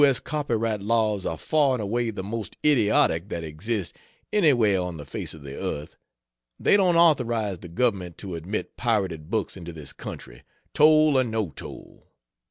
S. copyright laws are far and away the most idiotic that exist anywhere on the face of the earth they don't authorize the government to admit pirated books into this country, toll or no toll.